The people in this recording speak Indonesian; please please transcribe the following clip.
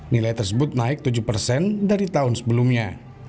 nilai tersebut naik tujuh persen dari tahun sebelumnya